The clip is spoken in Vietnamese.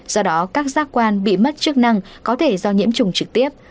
do đó các giác quan bị mất chức năng có thể do nhiễm trùng trực tiếp